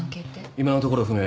今のところ不明。